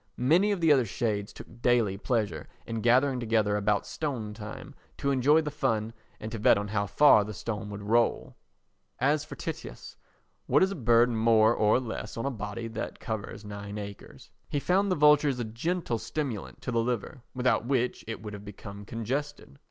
Many of the other shades took daily pleasure in gathering together about stone time to enjoy the fun and to bet on how far the stone would roll. As for Tityus—what is a bird more or less on a body that covers nine acres? He found the vultures a gentle stimulant to the liver without which it would have become congested.